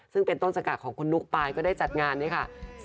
ซึ่งเป็นต้นสกัดของคุณนุ๊กปายก็ได้จัดงานเนี่ยค่ะ